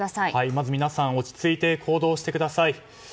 まず皆さん落ち着いて行動してください。